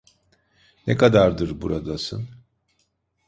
Ne kadardır buradasın?